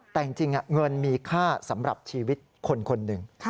แต่จริงเงินมีค่าสำหรับชีวิตคนคนหนึ่ง